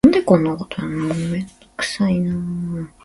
奇妙な男で、彼は人から話し掛けられないと口をきかない。